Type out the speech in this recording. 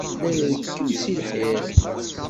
La irekkem seg lḥir.